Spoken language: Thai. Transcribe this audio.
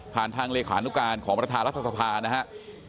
ทางเลขานุการของประธานรัฐสภานะครับ